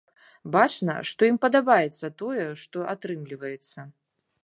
Бачна, што ім падабаецца тое, што атрымліваецца.